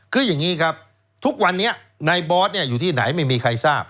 คืออย่างนี้ครับทุกวันนี้ในบอสอยู่ที่ไหนไม่มีใครทราบ